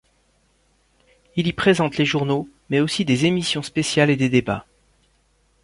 Il y présente les journaux, mais aussi des émissions spéciales et des débats.